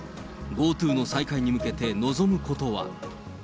ＧｏＴｏの再開に向けて、望むことは。